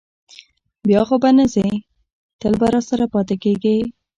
بیا خو به نه ځې، تل به راسره پاتې کېږې؟